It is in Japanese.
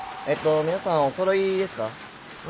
えっと皆さんおそろいですか？